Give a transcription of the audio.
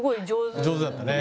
上手だったね。